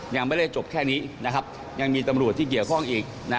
ยังไม่ได้จบแค่นี้นะครับยังมีตำรวจที่เกี่ยวข้องอีกนะ